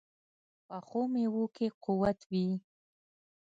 پخو میوو کې قوت وي